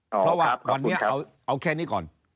เพราะว่าวันนี้เอาแค่นี้ก่อน